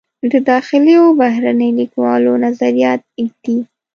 د داخلي و بهرني لیکوالو نظریات ږدي.